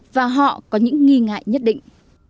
và họ có những nghi ngại nhất định